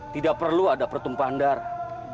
tidak perlu ada pertumpahan darah